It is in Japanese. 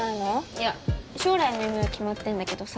いや将来の夢は決まってんだけどさ